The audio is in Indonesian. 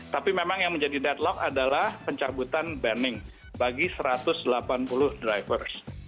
tapi memang yang menjadi deadlock adalah pencabutan banning bagi satu ratus delapan puluh drivers